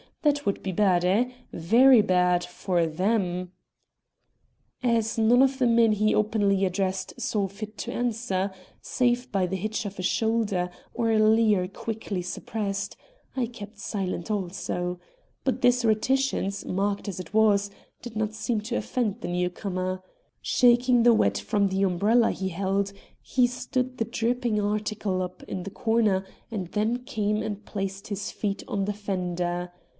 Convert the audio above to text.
That would be bad, eh? very bad for them." As none of the men he openly addressed saw fit to answer, save by the hitch of a shoulder or a leer quickly suppressed, I kept silent also. But this reticence, marked as it was, did not seem to offend the new comer. Shaking the wet from the umbrella he held, he stood the dripping article up in a corner and then came and placed his feet on the fender.